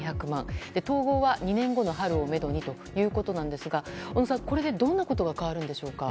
統合は２年後の春をめどにということですが小野さん、これでどんなことが変わるんですか？